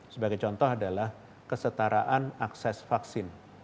sebagai contoh adalah kesetaraan akses vaksin